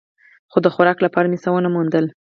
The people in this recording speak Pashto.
خو د خوراک لپاره مې څه و نه موندل.